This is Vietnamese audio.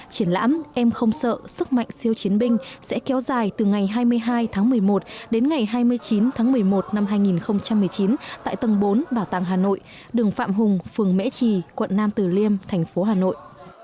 triển lãm em không sợ sức mạnh siêu chiến binh sẽ kéo dài từ ngày hai mươi hai tháng một mươi một đến ngày hai mươi chín tháng một mươi một năm hai nghìn một mươi chín tại tầng bốn bảo tàng hà nội đường phạm hùng phường mễ trì quận nam tử liêm thành phố hà nội